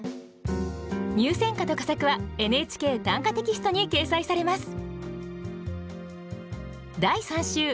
入選歌と佳作は「ＮＨＫ短歌」テキストに掲載されます。